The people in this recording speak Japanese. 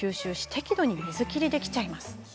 適度に水切りできちゃうんです。